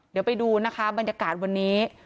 เดี๋ยวไปดูนะคะบรรยากาศวันนี้